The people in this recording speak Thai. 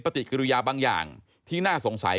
ปฏิกิริยาบางอย่างที่น่าสงสัย